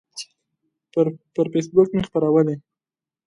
پر فیسبوک مې خپرولی